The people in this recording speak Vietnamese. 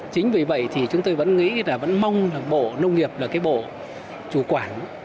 chính vì vậy thì chúng tôi vẫn nghĩ là vẫn mong là bộ nông nghiệp là cái bộ chủ quản